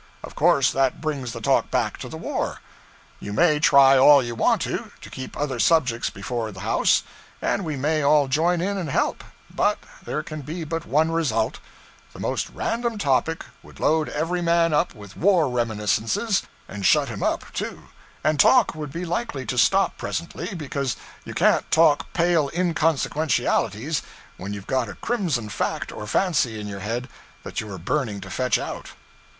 Of course that brings the talk back to the war. You may try all you want to, to keep other subjects before the house, and we may all join in and help, but there can be but one result: the most random topic would load every man up with war reminiscences, and shut him up, too; and talk would be likely to stop presently, because you can't talk pale inconsequentialities when you've got a crimson fact or fancy in your head that you are burning to fetch out.'